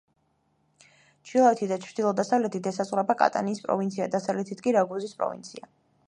ჩრდილოეთით და ჩრდილო-დასავლეთით ესაზღვრება კატანიის პროვინცია, დასავლეთით კი რაგუზის პროვინცია.